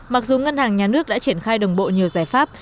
mặc dù ngân hàng nhà nước đã triển khai đồng bộ nhiều giải pháp